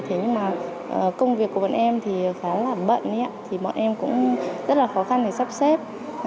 thế nhưng mà công việc của bọn em thì khá là bận thì bọn em cũng rất là khó khăn để sắp xếp